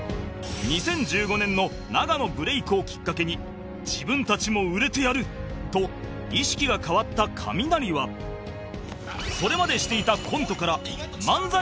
２０１５年の永野ブレイクをきっかけに自分たちも売れてやる！と意識が変わったカミナリはそれまでしていた